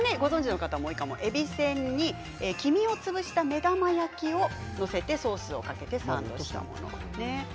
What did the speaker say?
びせんに黄身を潰した目玉焼きを載せてソースをかけてサンドしたものです。